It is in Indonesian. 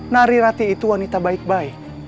nari rati itu wanita baik baik